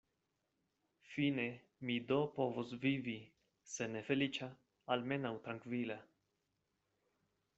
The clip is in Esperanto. Fine mi do povos vivi se ne feliĉa, almenaŭ trankvila.